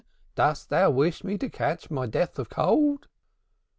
Dost thou wish me to catch my death of cold?"